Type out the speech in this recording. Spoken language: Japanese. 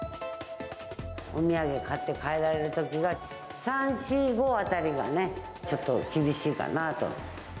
お土産買って帰られるときが、３、４、５あたりがね、ちょっと厳しいかなと。